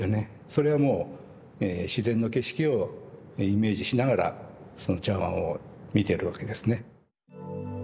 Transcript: それはもう自然の景色をイメージしながらその茶碗を見てるわけですね。